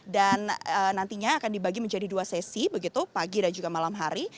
nantinya akan dibagi menjadi dua sesi begitu pagi dan juga malam hari